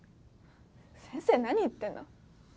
先生何言ってんの？